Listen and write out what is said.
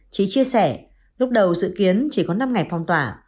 trí chia sẻ lúc đầu dự kiến chỉ có năm ngày phong tỏa